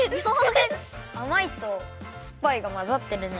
あまいとすっぱいがまざってるね。